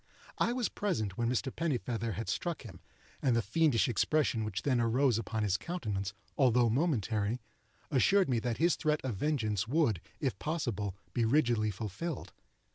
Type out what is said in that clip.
I was present when Mr. Pennifeather had struck him, and the fiendish expression which then arose upon his countenance, although momentary, assured me that his threat of vengeance would, if possible, be rigidly fulfilled.